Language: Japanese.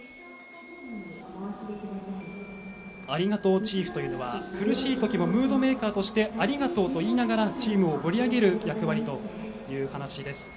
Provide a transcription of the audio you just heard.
ありがとうチーフというのは苦しい時もムードメーカーとしてありがとうと言いながらチームを盛り上げる役割という話です。